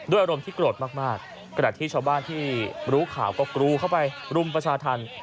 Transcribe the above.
อารมณ์ที่โกรธมากกระดาษที่ชาวบ้านที่รู้ข่าวก็กรูเข้าไปรุมประชาธรรม